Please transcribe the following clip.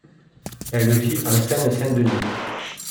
Elle vit en Seine-Saint-Denis.